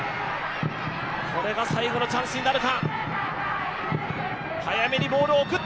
これが最後のチャンスになるか。